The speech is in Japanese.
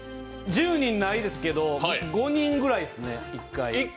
１０人ないですけど、５人ぐらいですね、１回。